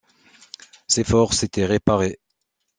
Ses forces étaient réparées.